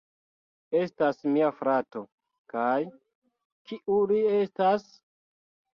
Estas mia frato kaj... kiu li estas?